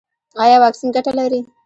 ایا واکسین ګټه لري؟